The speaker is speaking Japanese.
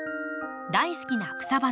大好きな草花